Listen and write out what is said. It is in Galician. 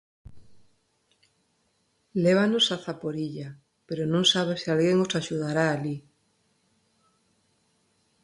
Lévanos a Zaporilla, pero non sabe se alguén os axudará alí.